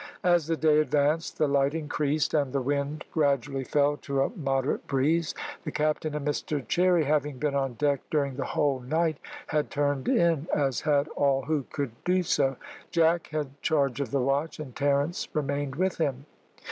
As the day advanced the light increased, and the wind gradually fell to a moderate breeze. The captain and Mr Cherry, having been on deck during the whole night, had turned in, as had all who could do so. Jack had charge of the watch, and Terence remained with him.